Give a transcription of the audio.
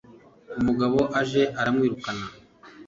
Umugabo aje aramwirukana !